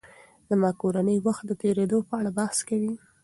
زما کورنۍ وخت د تېرېدو په اړه بحث کوي.